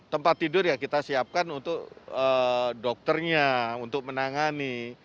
empat ratus sepuluh tempat tidur ya kita siapkan untuk dokternya untuk menangani